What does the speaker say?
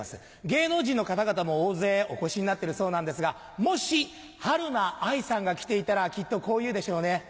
芸能人の方々も大勢お越しになってるそうなんですがもしはるな愛さんが来ていたらきっとこう言うでしょうね。